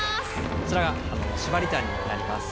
こちらが縛りタンになります。